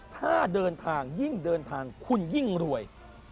ถ้าเดินทางยิ่งเดินทางคุณยิ่งรวย